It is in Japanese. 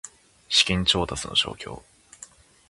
資金調達の状況